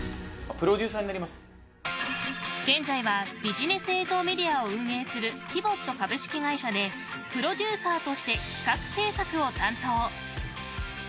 現在はビジネス映像メディアを運営するＰＩＶＯＴ株式会社でプロデューサーとして企画制作を担当。